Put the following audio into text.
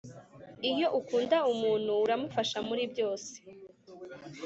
iyo ukunda umuntu uramufasha muri byose